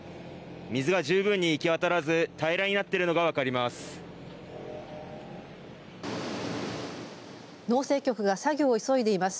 水が十分にいき渡らず平らになっているのが分かります。